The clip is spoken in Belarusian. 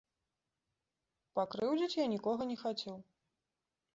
Пакрыўдзіць я нікога не хацеў.